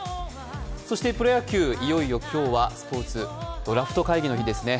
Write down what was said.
そしてプロ野球、いよいよ今日はスポーツ、ドラフト会議の日ですね。